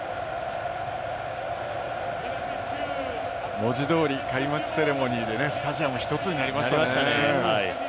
文字どおり開幕セレモニーでスタジアムが１つになりましたね。